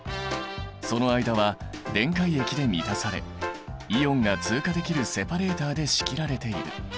その間は電解液で満たされイオンが通過できるセパレーターで仕切られている。